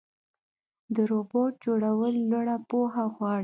د روبوټ جوړول لوړه پوهه غواړي.